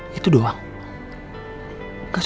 lu mau ke depan karin